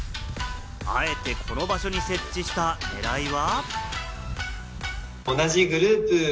あえてこの場所に設置した狙いは？